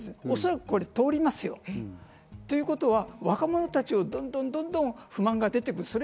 おそらくこれ通ります。ということは若者たちをどんどん不満が出てくる。